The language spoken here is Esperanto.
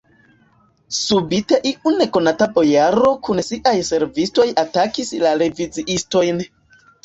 Subite iu nekonata bojaro kun siaj servistoj atakis la reviziistojn.